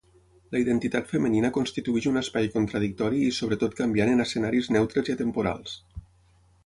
La identitat femenina constitueix un espai contradictori i sobretot canviant en escenaris neutres i atemporals.